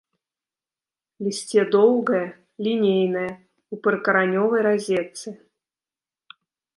Лісце доўгае, лінейнае, у прыкаранёвай разетцы.